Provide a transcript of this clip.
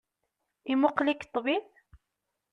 Imuqel-ik ṭṭbib?